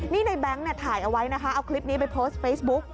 นี่ในแบงค์ถ่ายเอาไว้นะคะเอาคลิปนี้ไปโพสต์เฟซบุ๊ก